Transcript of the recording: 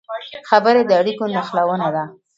خبرې د اړیکو نښلونه ده